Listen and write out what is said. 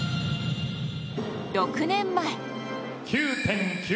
６年前。